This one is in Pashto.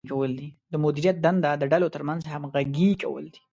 د مدیریت دنده د ډلو ترمنځ همغږي کول دي.